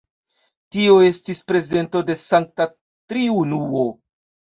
Tio estis prezento de Sankta Triunuo.